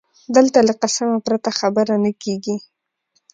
دلته له قسمه پرته خبره نه کېږي